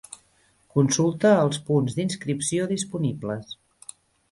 Consulta els punts d'inscripció disponibles.